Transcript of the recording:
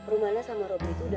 rumana sama robi tuh udah